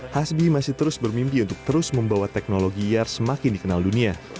hasbi masih terus bermimpi untuk terus membawa teknologi yar semakin dikenal dunia